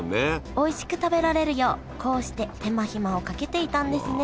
おいしく食べられるようこうして手間暇をかけていたんですね